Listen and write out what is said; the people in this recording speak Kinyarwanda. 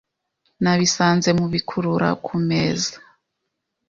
Nabisanze mubikurura kumeza .